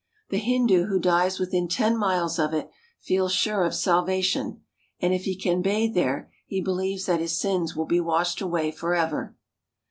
The Hindu who dies within ten miles of it feels sure of salvation, and if he can bathe there, he believes that his sins will be washed away forever.